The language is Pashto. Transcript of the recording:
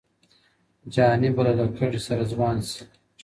جهاني به له لکړي سره ځوان سي.